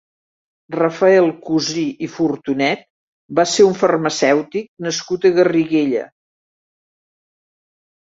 Rafael Cusí i Furtunet va ser un farmacèutic nascut a Garriguella.